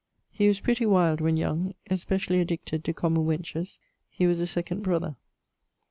He was pretty wild when young, especially addicted to common wenches. He was a 2d brother.